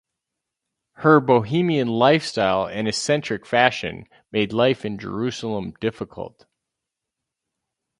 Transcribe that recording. Her Bohemian lifestyle and eccentric fashion made life in Jerusalem difficult.